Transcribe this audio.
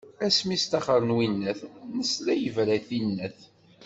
Asmi i sṭaxren winnat, nesla yebra i tinnat.